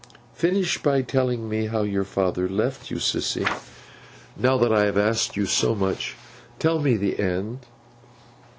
'Finish by telling me how your father left you, Sissy. Now that I have asked you so much, tell me the end.